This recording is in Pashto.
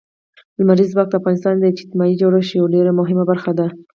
لمریز ځواک د افغانستان د اجتماعي جوړښت یوه ډېره مهمه برخه ده.